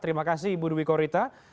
terima kasih ibu dwi korita